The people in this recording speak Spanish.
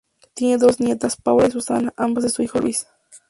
Tiene dos nietas, Paula y Susana, ambas de su hijo Luis.